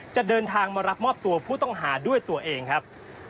จะเดินทางมารับมอบตัวผู้ต้องหาด้วยตัวเองครับ